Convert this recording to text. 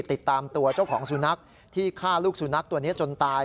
ติดตามตัวเจ้าของสุนัขที่ฆ่าลูกสุนัขตัวนี้จนตาย